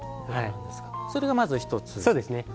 それがまず１つ。